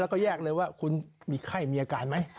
แล้วก็แยกเลยว่าคุณมีไข้มีอาการไหม